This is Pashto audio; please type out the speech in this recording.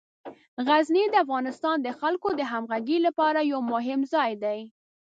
غزني د افغانستان د خلکو د همغږۍ لپاره یو مهم ځای دی.